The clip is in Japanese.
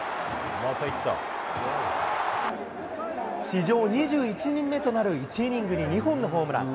史上２１人目となる１イニングに２本のホームラン。